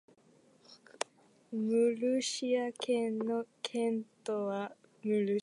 ムルシア県の県都はムルシアである